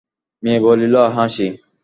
মেয়ে বলিল, হাসি।